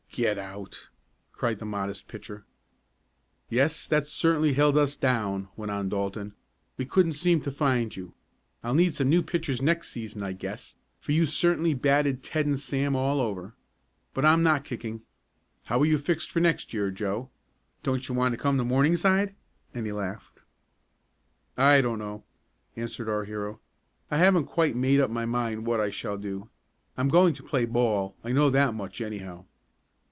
"Get out!" cried the modest pitcher. "Yes, that certainly held us down," went on Dalton. "We couldn't seem to find you. I'll need some new pitchers next season, I guess, for you certainly batted Ted and Sam all over. But I'm not kicking. How are you fixed for next year, Joe? Don't you want to come to Morningside?" and he laughed. "I don't know," answered our hero. "I haven't quite made up my mind what I shall do. I'm going to play ball, I know that much, anyhow."